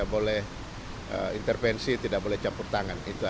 boleh intervensi tidak boleh campur tangan